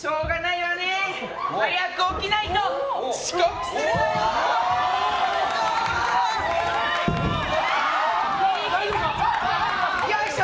よいしょ！